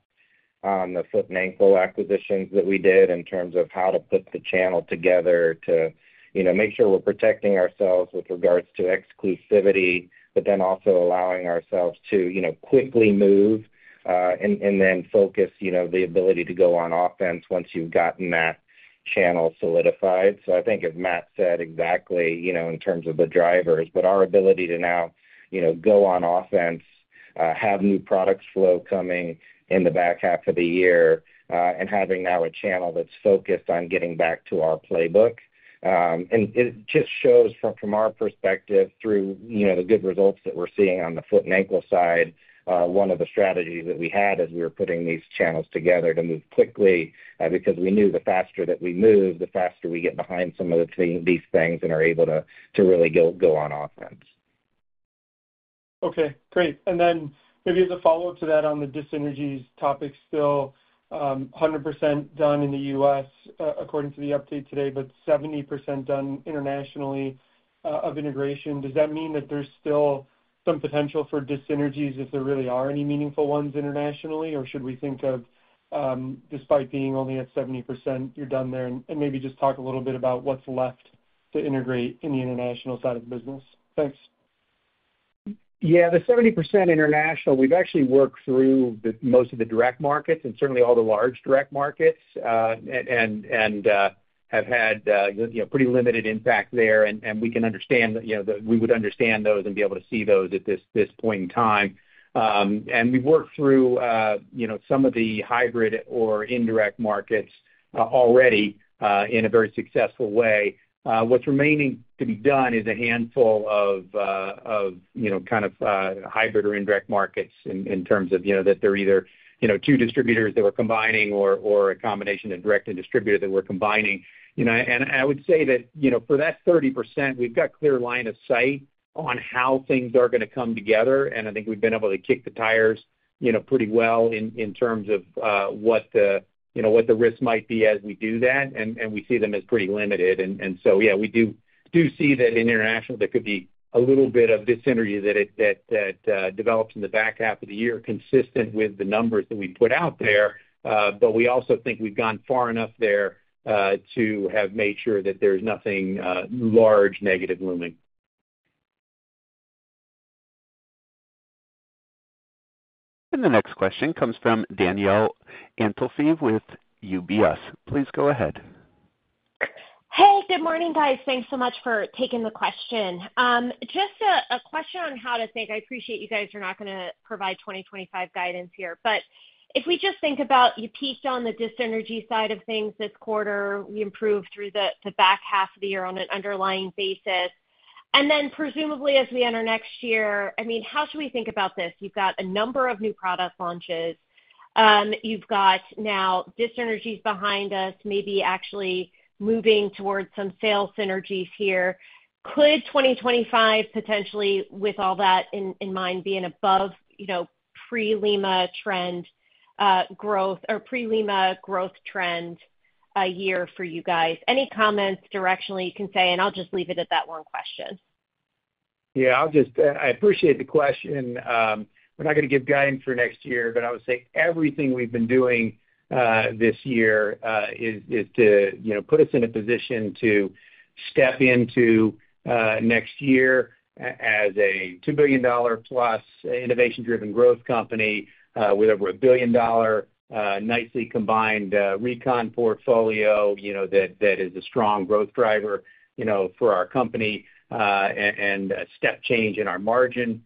on the foot and ankle acquisitions that we did in terms of how to put the channel together to, you know, make sure we're protecting ourselves with regards to exclusivity, but then also allowing ourselves to, you know, quickly move, and then focus, you know, the ability to go on offense once you've gotten that channel solidified. So I think, as Matt said, exactly, you know, in terms of the drivers, but our ability to now, you know, go on offense, have new product flow coming in the back half of the year, and having now a channel that's focused on getting back to our playbook. And it just shows from our perspective, through, you know, the good results that we're seeing on the foot and ankle side, one of the strategies that we had as we were putting these channels together to move quickly, because we knew the faster that we moved, the faster we get behind some of these things and are able to really go on offense. Okay, great. And then maybe as a follow-up to that, on the dissynergies topic, still 100% done in the U.S., according to the update today, but 70% done internationally, of integration. Does that mean that there's still some potential for dissynergies if there really are any meaningful ones internationally? Or should we think of, despite being only at 70%, you're done there? And, and maybe just talk a little bit about what's left to integrate in the international side of the business. Thanks. Yeah, the 70% international, we've actually worked through the most of the direct markets and certainly all the large direct markets, and have had, you know, pretty limited impact there. And we can understand that, you know, that we would understand those and be able to see those at this point in time. And we've worked through, you know, some of the hybrid or indirect markets already, in a very successful way. What's remaining to be done is a handful of, you know, kind of, hybrid or indirect markets in terms of, you know, that they're either, you know, two distributors that we're combining or a combination of direct and distributor that we're combining. You know, and I would say that, you know, for that 30%, we've got clear line of sight on how things are going to come together, and I think we've been able to kick the tires, you know, pretty well in terms of what the, you know, what the risks might be as we do that, and we see them as pretty limited. And so, yeah, we do see that in international, there could be a little bit of dyssynergy that develops in the back half of the year, consistent with the numbers that we put out there. But we also think we've gone far enough there to have made sure that there's nothing large negative looming. The next question comes from Danielle Antalffy with UBS. Please go ahead. Hey, good morning, guys. Thanks so much for taking the question. Just a question on how to think. I appreciate you guys are not going to provide 2025 guidance here. But if we just think about, you peaked on the dissynergies side of things this quarter, we improved through the back half of the year on an underlying basis. And then presumably, as we enter next year, I mean, how should we think about this? You've got a number of new product launches. You've got now dissynergies behind us, maybe actually moving towards some sales synergies here. Could 2025, potentially, with all that in mind, be an above, you know, pre-Lima trend growth or pre-Lima growth trend year for you guys? Any comments directionally you can say, and I'll just leave it at that one question. Yeah, I'll just... I appreciate the question. We're not going to give guidance for next year, but I would say everything we've been doing this year is to, you know, put us in a position to step into next year as a $2 billion-plus innovation-driven growth company with over a billion-dollar nicely combined Recon portfolio, you know, that is a strong growth driver, you know, for our company, and a step change in our margin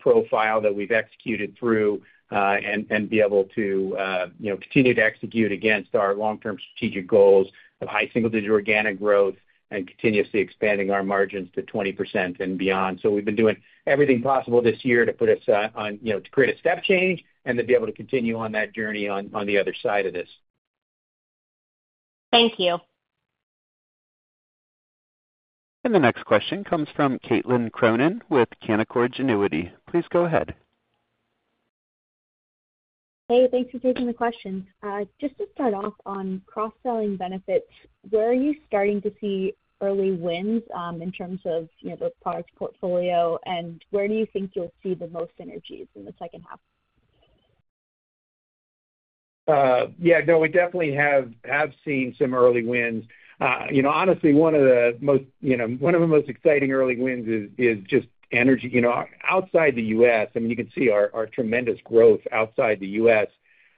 profile that we've executed through and be able to, you know, continue to execute against our long-term strategic goals of high single-digit organic growth and continuously expanding our margins to 20% and beyond. We've been doing everything possible this year to put us on, you know, to create a step change and to be able to continue on that journey on the other side of this. Thank you. The next question comes from Caitlin Cronin with Canaccord Genuity. Please go ahead. Hey, thanks for taking the question. Just to start off on cross-selling benefits, where are you starting to see early wins, in terms of, you know, the product portfolio? And where do you think you'll see the most synergies in the second half? Yeah, no, we definitely have seen some early wins. You know, honestly, one of the most exciting early wins is just energy. You know, outside the U.S., I mean, you can see our tremendous growth outside the U.S.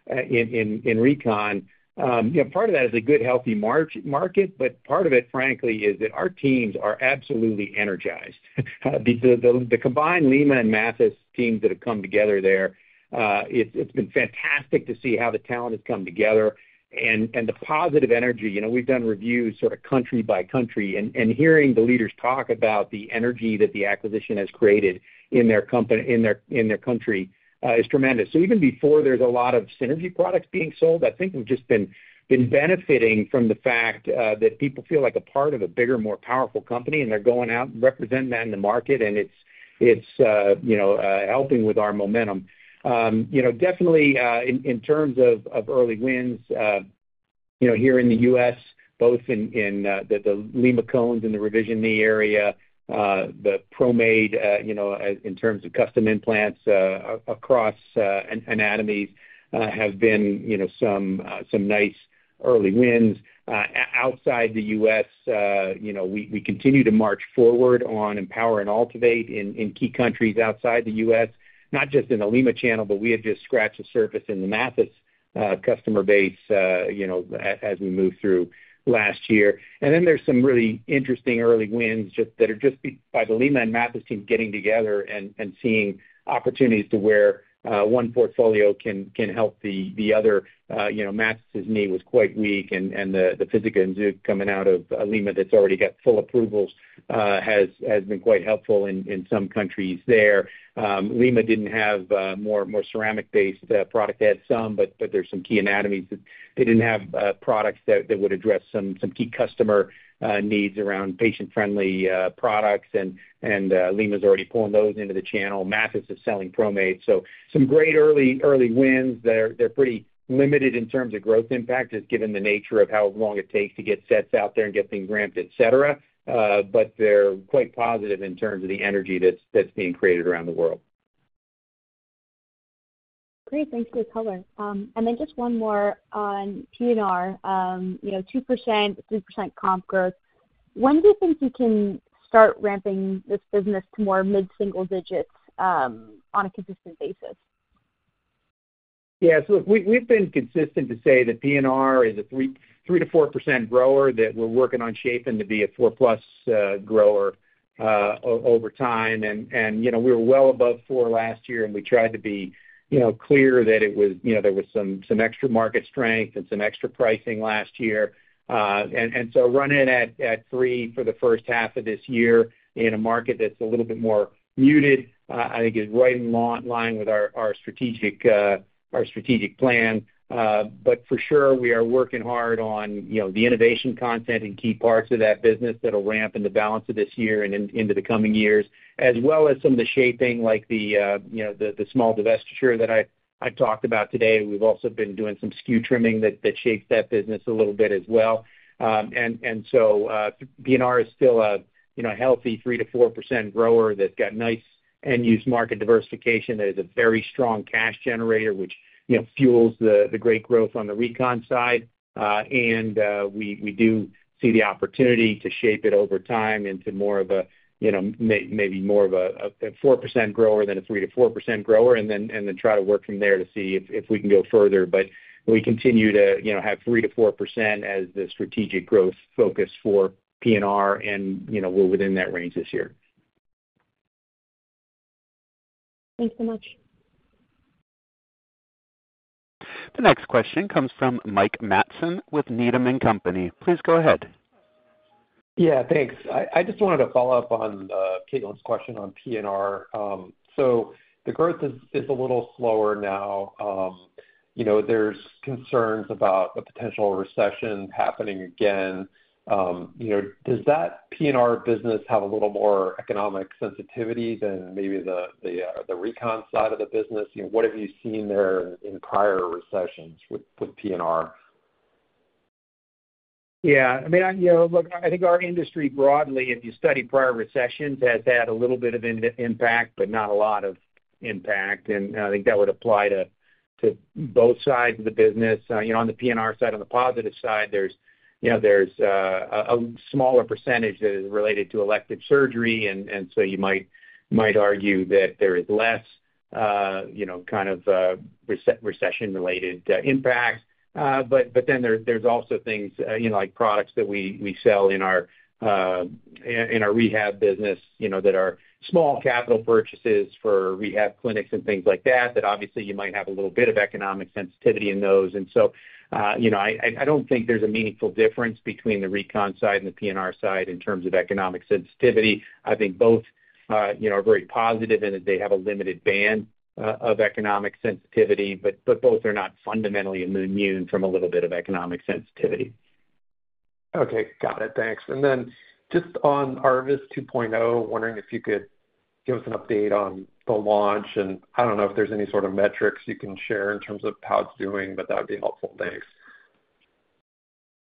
in Recon. You know, part of that is a good, healthy market, but part of it, frankly, is that our teams are absolutely energized. The combined Lima and Mathys teams that have come together there, it's been fantastic to see how the talent has come together and the positive energy. You know, we've done reviews sort of country by country, and hearing the leaders talk about the energy that the acquisition has created in their company- in their country is tremendous. So even before there's a lot of synergy products being sold, I think we've just been benefiting from the fact that people feel like a part of a bigger, more powerful company, and they're going out and representing that in the market, and it's helping with our momentum. You know, definitely in terms of early wins, you know, here in the U.S., both in the Lima cones in the revision knee area, the ProMade, you know, in terms of custom implants, across anatomies, have been some nice early wins. Outside the U.S., you know, we continue to march forward on EMPOWR and AltiVate in key countries outside the U.S., not just in the Lima channel, but we have just scratched the surface in the Mathys customer base, you know, as we moved through last year. And then there's some really interesting early wins just that are just by the Lima and Mathys team getting together and seeing opportunities to where one portfolio can help the other. You know, Mathys' knee was quite weak, and the Physica and ZUK coming out of Lima, that's already got full approvals, has been quite helpful in some countries there. Lima didn't have more ceramic-based product. It had some, but there's some key anatomies that they didn't have products that would address some key customer needs around patient-friendly products, and Lima's already pulling those into the channel. Mathys is selling ProMade. So some great early wins. They're pretty limited in terms of growth impact, just given the nature of how long it takes to get sets out there and get things ramped, et cetera. But they're quite positive in terms of the energy that's being created around the world. Great, thanks for the color. And then just one more on P&R. You know, 2%-3% comp growth. When do you think you can start ramping this business to more mid-single digits, on a consistent basis? Yeah, so we, we've been consistent to say that P&R is a 3%-4% grower, that we're working on shaping to be a four plus grower over time. And, you know, we were well above four last year, and we tried to be, you know, clear that it was, you know, there was some extra market strength and some extra pricing last year. And so running at three for the first half of this year in a market that's a little bit more muted, I think is right in line with our strategic, our strategic plan. But for sure, we are working hard on, you know, the innovation content in key parts of that business that'll ramp in the balance of this year and into the coming years, as well as some of the shaping, like the, you know, the small divestiture that I talked about today. We've also been doing some SKU trimming that shapes that business a little bit as well. And so, P&R is still a, you know, healthy 3%-4% grower that's got nice end-use market diversification, that is a very strong cash generator, which, you know, fuels the great growth on the Recon side. And we do see the opportunity to shape it over time into more of a, you know, maybe more of a 4% grower than a 3%-4% grower, and then try to work from there to see if we can go further. But we continue to, you know, have 3%-4% as the strategic growth focus for P&R, and, you know, we're within that range this year. Thanks so much. The next question comes from Mike Matson with Needham & Company. Please go ahead. Yeah, thanks. I just wanted to follow up on Caitlin's question on P&R. So the growth is a little slower now. You know, there's concerns about a potential recession happening again. You know, does that P&R business have a little more economic sensitivity than maybe the Recon side of the business? You know, what have you seen there in prior recessions with P&R? Yeah, I mean, you know, look, I think our industry broadly, if you study prior recessions, has had a little bit of impact, but not a lot of impact, and I think that would apply to both sides of the business. You know, on the P&R side, on the positive side, there's, you know, there's a smaller percentage that is related to elective surgery, and so you might argue that there is less, you know, kind of recession-related impacts. But then there's also things, you know, like products that we sell in our rehab business, you know, that are small capital purchases for rehab clinics and things like that, that obviously you might have a little bit of economic sensitivity in those. And so, you know, I don't think there's a meaningful difference between the Recon side and the P&R side in terms of economic sensitivity. I think both, you know, are very positive in that they have a limited band of economic sensitivity, but both are not fundamentally immune from a little bit of economic sensitivity. Okay, got it. Thanks. And then just on ARVIS 2.0, wondering if you could give us an update on the launch, and I don't know if there's any sort of metrics you can share in terms of how it's doing, but that would be helpful. Thanks.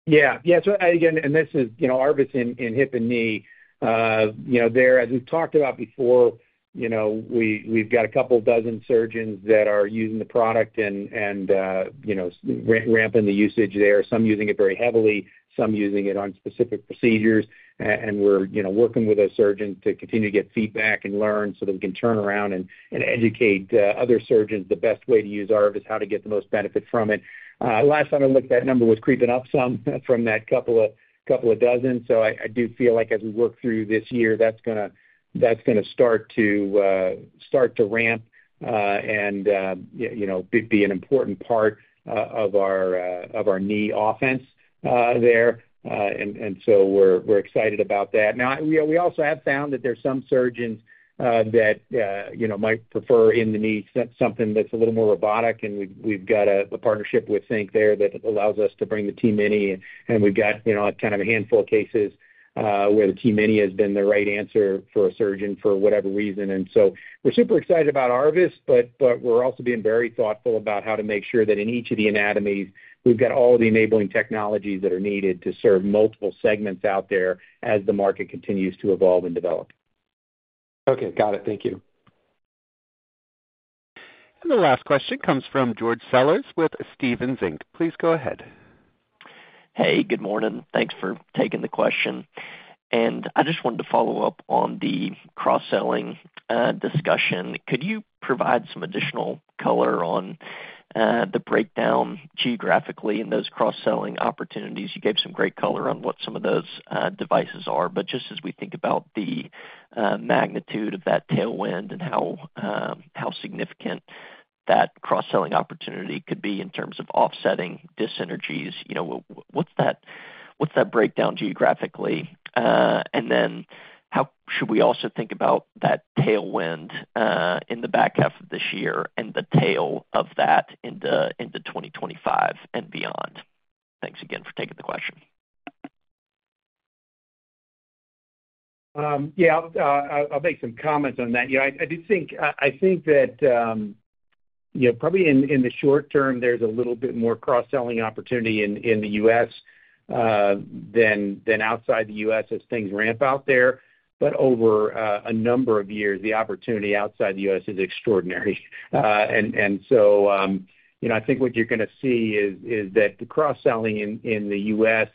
Yeah. Yeah, so again, this is, you know, ARVIS in hip and knee. You know, there, as we've talked about before, you know, we've got a couple dozen surgeons that are using the product and ramping the usage there. Some using it very heavily, some using it on specific procedures. And we're, you know, working with a surgeon to continue to get feedback and learn so that we can turn around and educate other surgeons the best way to use ARVIS, how to get the most benefit from it. Last time I looked, that number was creeping up some from that couple of dozen. So I do feel like as we work through this year, that's gonna start to ramp, and you know, be an important part of our knee offense there. And so we're excited about that. Now, we also have found that there's some surgeons that you know, might prefer in the knee, so something that's a little more robotic, and we've got a partnership with Think there that allows us to bring the TMINI, and we've got you know, kind of a handful of cases where the TMINI has been the right answer for a surgeon for whatever reason. And so we're super excited about ARVIS, but we're also being very thoughtful about how to make sure that in each of the anatomies, we've got all the enabling technologies that are needed to serve multiple segments out there as the market continues to evolve and develop. Okay, got it. Thank you. The last question comes from George Sellers with Stephens Inc. Please go ahead. Hey, good morning. Thanks for taking the question. And I just wanted to follow up on the cross-selling discussion. Could you provide some additional color on the breakdown geographically in those cross-selling opportunities? You gave some great color on what some of those devices are, but just as we think about the magnitude of that tailwind and how significant that cross-selling opportunity could be in terms of offsetting dissynergies, you know, what's that, what's that breakdown geographically? And then how should we also think about that tailwind in the back half of this year and the tail of that into 2025 and beyond? Thanks again for taking the question. Yeah, I'll make some comments on that. Yeah, I do think that you know, probably in the short term, there's a little bit more cross-selling opportunity in the US than outside the U.S. as things ramp out there. But over a number of years, the opportunity outside the U.S. is extraordinary. So, you know, I think what you're gonna see is that the cross-selling in the U.S.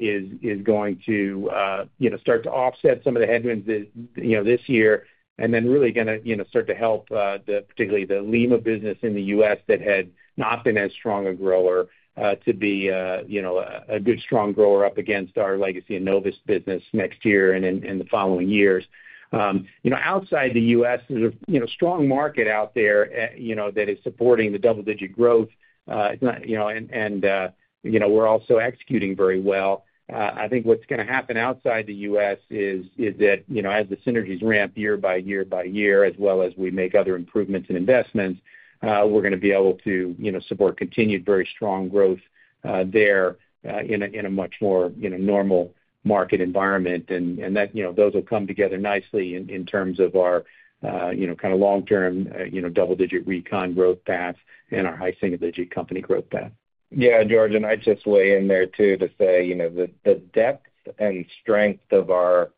is going to, you know, start to offset some of the headwinds this, you know, this year and then really gonna, you know, start to help, particularly the Lima business in the U.S. that had not been as strong a grower to be, you know, a good, strong grower up against our legacy and Enovis business next year and in the following years. You know, outside the U.S., there's a strong market out there, you know, that is supporting the double-digit growth. You know, and we're also executing very well. I think what's gonna happen outside the U.S. is that, you know, as the synergies ramp year by year by year, as well as we make other improvements in investments, we're gonna be able to, you know, support continued very strong growth there in a much more, you know, normal market environment. And that, you know, those will come together nicely in terms of our, you know, kind of long-term, you know, double-digit Recon growth path and our high single-digit company growth path. Yeah, George, and I'd just weigh in there, too, to say, you know, the depth and strength of our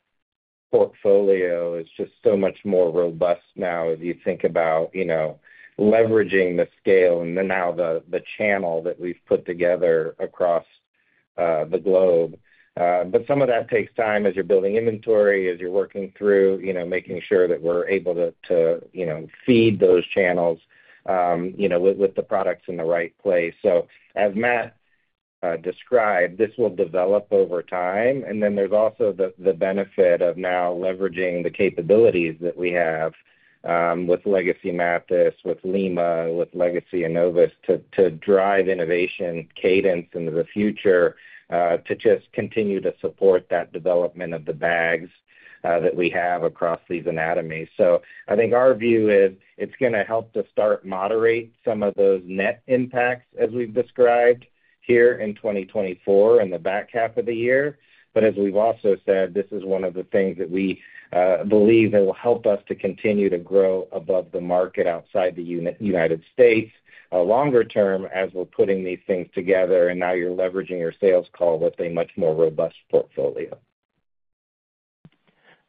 portfolio is just so much more robust now as you think about, you know, leveraging the scale and then now the channel that we've put together across the globe. But some of that takes time as you're building inventory, as you're working through, you know, making sure that we're able to, you know, feed those channels with the products in the right place. So as Matt described, this will develop over time. Then there's also the benefit of now leveraging the capabilities that we have with legacy Mathys, with Lima, with legacy Enovis, to drive innovation cadence into the future, to just continue to support that development of the bags that we have across these anatomies. So I think our view is it's gonna help to start moderate some of those net impacts as we've described here in 2024 in the back half of the year. But as we've also said, this is one of the things that we believe it will help us to continue to grow above the market outside the United States longer term, as we're putting these things together, and now you're leveraging your sales call with a much more robust portfolio.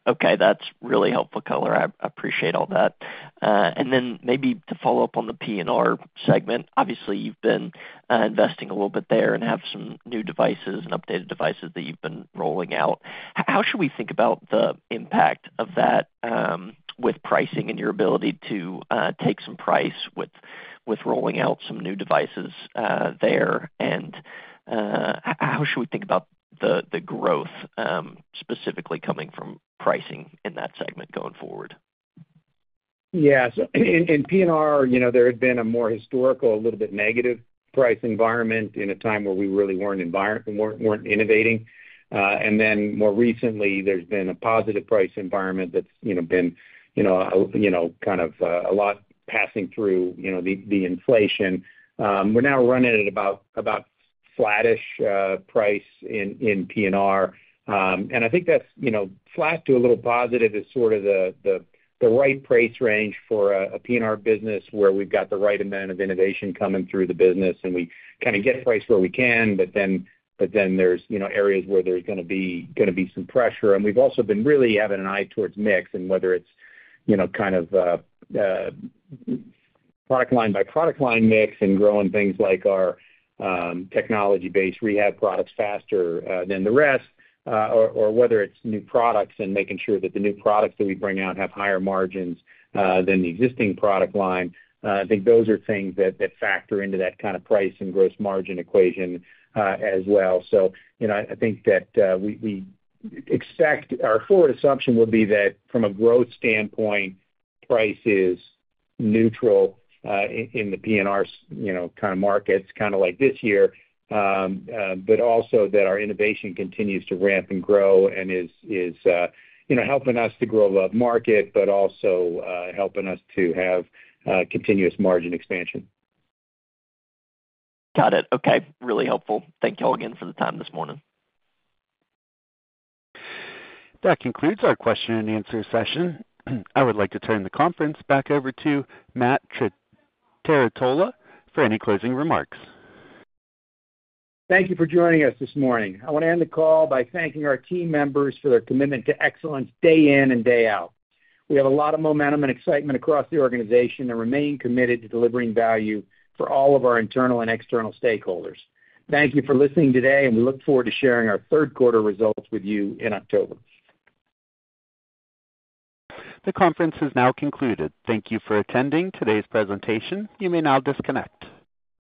Okay. That's really helpful color. I appreciate all that. And then maybe to follow up on the P&R segment. Obviously, you've been investing a little bit there and have some new devices and updated devices that you've been rolling out. How should we think about the impact of that, with pricing and your ability to take some price with rolling out some new devices there? And, how should we think about the growth, specifically coming from pricing in that segment going forward? Yeah, so in P&R, you know, there had been a more historical, a little bit negative price environment in a time where we really weren't innovating. And then more recently, there's been a positive price environment that's, you know, been, you know, you know, kind of a lot passing through, you know, the inflation. We're now running at about flattish price in P&R. And I think that's, you know, flat to a little positive is sort of the right price range for a P&R business, where we've got the right amount of innovation coming through the business, and we kind of get price where we can, but then there's, you know, areas where there's gonna be some pressure. We've also been really having an eye towards mix and whether it's, you know, kind of, product line by product line mix and growing things like our technology-based rehab products faster than the rest, or whether it's new products and making sure that the new products that we bring out have higher margins than the existing product line. I think those are things that factor into that kind of price and gross margin equation, as well. So, you know, I think that we expect—our forward assumption would be that from a growth standpoint, price is neutral in the P&R, you know, kind of markets, kind of like this year. but also that our innovation continues to ramp and grow and is, you know, helping us to grow above market, but also helping us to have continuous margin expansion. Got it. Okay. Really helpful. Thank you all again for the time this morning. That concludes our question and answer session. I would like to turn the conference back over to Matt Trerotola for any closing remarks. Thank you for joining us this morning. I want to end the call by thanking our team members for their commitment to excellence day in and day out. We have a lot of momentum and excitement across the organization and remain committed to delivering value for all of our internal and external stakeholders. Thank you for listening today, and we look forward to sharing our third quarter results with you in October. The conference is now concluded. Thank you for attending today's presentation. You may now disconnect.